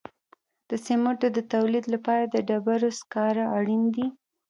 د سمنټو د تولید لپاره د ډبرو سکاره اړین دي.